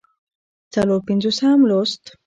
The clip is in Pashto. څلور پينځوسم لوست